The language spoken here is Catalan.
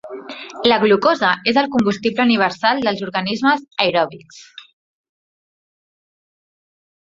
La glucosa és el combustible universal dels organismes aeròbics.